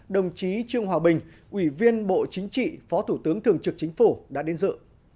đồng chí trương hòa bình ủy viên bộ chính trị phó thủ tướng thường trực chính phủ đã đến dự